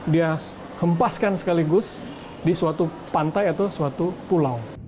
dia hempaskan sekaligus di suatu pantai atau suatu pulau